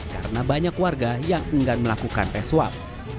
karena banyak warga yang enggan melakukan tes swab